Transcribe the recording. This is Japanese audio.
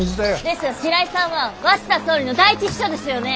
ですが白井さんは鷲田総理の第一秘書ですよね？